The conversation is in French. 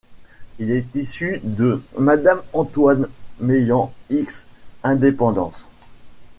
Il est issu de 'Madame Antoine Meilland' x 'Independence'.